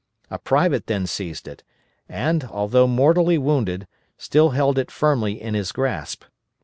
A private then seized it, and, although mortally wounded, still held it firmly in his grasp.